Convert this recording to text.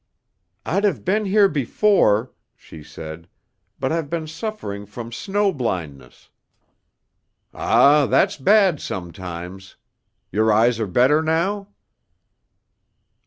"I'd have been here before," she said, "but I've been suffering from snow blindness." "Ah, that's bad sometimes. Your eyes are better now?"